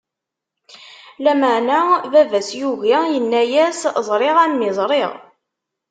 Lameɛna baba-s yugi, inna-as: Ẓriɣ, a mmi, ẓriɣ.